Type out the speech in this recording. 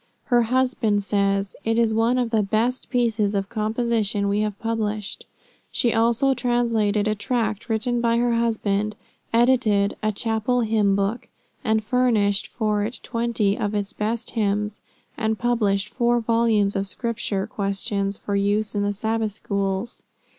Her husband says, "It is one of the best pieces of composition we have published." She also translated a tract written by her husband; edited a "Chapel hymn book," and furnished for it twenty of its best hymns; and published four volumes of Scripture Questions for use in the Sabbath Schools.